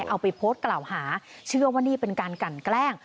เอาไปโพสต์กล่าวหาเชื่อว่านี่เป็นการกันแกล้ง